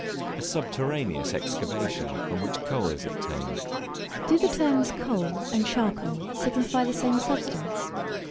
A subterraneous excavation, from which coal is obtained. Do the terms Coal and Charcoal signify the same substance?